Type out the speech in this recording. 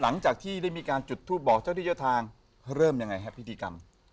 หลังจากที่ได้มีการจุดทูปบอกเจ้าที่เจ้าทางเริ่มยังไงฮะพิธีกรรม